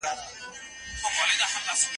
لويې جرګي به د اساسي قانون تعديلات تصويب کړي وي.